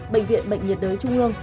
bệnh viện bệnh nhiệt đới trung ương